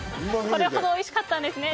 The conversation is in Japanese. それほどおいしかったんですね。